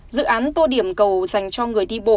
dự án tô điểm cầu dành cho người đi bộ